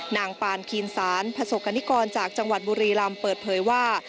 นางปานคีนสานพระศักดิกรจากจังหวัดบุรีรำเปิดเผยว่า